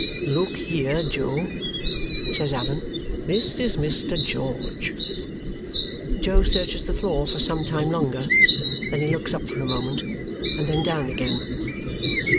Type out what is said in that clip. "Look here, Jo!" says Allan. "This is Mr. George." Jo searches the floor for some time longer, then looks up for a moment, and then down again.